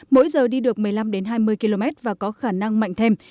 mỗi giờ đi được một mươi năm hai mươi km và có khả năng mạnh thêm